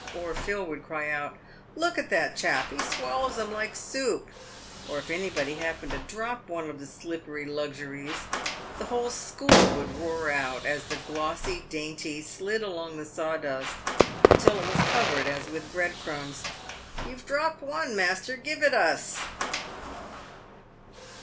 Or Phil would cry out, " Look at that chap, he swallows 'em like soup ;" or if anybody happened to drop one of the slippery luxuries, the whole " school" would roar out, as the glossy dainty slid along the sawdust until it was covered as with bread crumbs, " You've dropped one, master, give it us."